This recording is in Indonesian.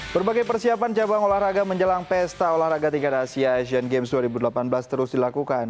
berbagai persiapan cabang olahraga menjelang pesta olahraga tingkat asia asian games dua ribu delapan belas terus dilakukan